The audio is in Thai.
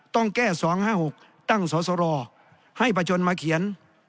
ต้องแก้สองห้าหกตั้งสรสรให้ประชนมาเขียน